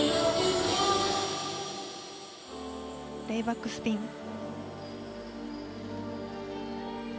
レイバックスピン。